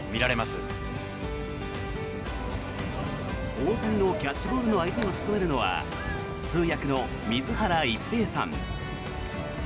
大谷のキャッチボールの相手を務めるのは通訳の水原一平さん。